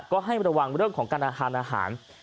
ก็ให้ระวังเรื่องของการอาหาร